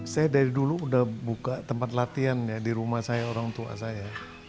saya dari dulu udah buka tempat latihan ya di rumah saya orang tua saya